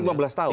lima belas tahun